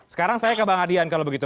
sekarang saya ke bang adian kalau begitu